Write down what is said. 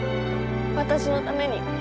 私のために。